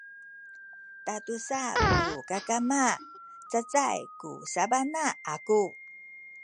tatusa ku kakama cacay ku sabana aku